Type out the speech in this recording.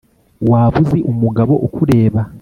Waba uzi umugabo ukureba